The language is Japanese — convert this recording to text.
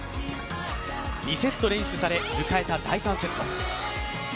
２セット連取され迎えた第３セット。